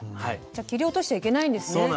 じゃあ切り落としちゃいけないんですね。